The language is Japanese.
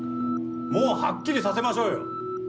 もうハッキリさせましょうよ！